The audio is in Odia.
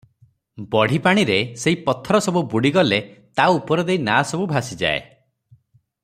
ବଢ଼ିପାଣିରେ ସେହି ପଥର ସବୁ ବୁଡ଼ିଗଲେ ତା ଉପର ଦେଇ ନାଆସବୁ ଭାସିଯାଏ ।